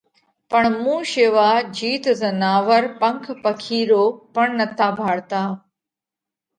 پڻ مُون شيوا جيت زناور پنک پکيرُو پڻ نتا ڀاۯتا۔